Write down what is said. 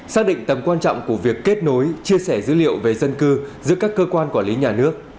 xác định tầm quan trọng của việc kết nối chia sẻ dữ liệu về dân cư giữa các cơ quan quản lý nhà nước